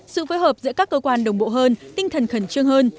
sự phối hợp giữa các cơ quan đồng bộ hơn tinh thần khẩn trương hơn